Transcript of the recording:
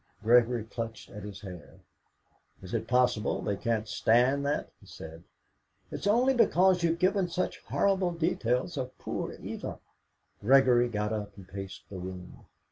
Gregory clutched at his hair. "Is it possible they can't stand that?" he said. "It's only because you've given such horrible details of poor Eva." Gregory got up and paced the room.